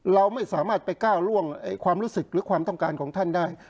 เราไม่สามารถไปก้าวล่วงความรู้สึกหรือความต้องการของท่านได้